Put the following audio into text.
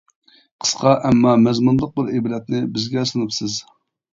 قىسقا ئەمما مەزمۇنلۇق بىر ئىبرەتنى بىزگە سۇنۇپسىز.